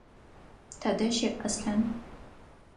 Тыдэ щыӏ Аслъан?